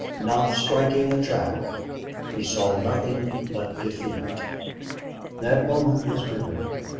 Not striking a track, he saw nothing but defeat. That moment was bitter.